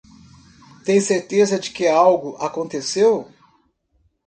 Tem certeza de que algo aconteceu?